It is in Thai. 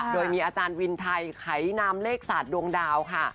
โดยมีอาจารย์วินไทยไขนามเลขศาสตร์ดวงดาวค่ะ